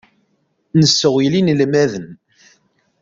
Nesseɣyel inelmaden.